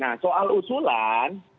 nah soal usulan